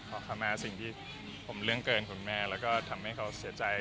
พ่อแม่สิ่งที่ผมเรื่องเกินคุณแม่แล้วก็ทำให้เขาเสียใจ